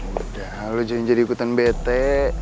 udah lu jangan jadi ikutan bete